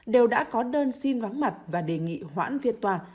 đều đã có đơn xin vắng mặt và đề nghị hoãn phiên tòa